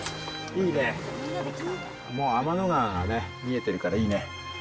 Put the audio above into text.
もう天の川がね、見えてるからいいね。